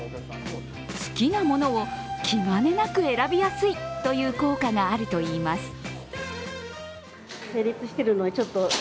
好きなものを気兼ねなく選びやすいという効果があるといいます。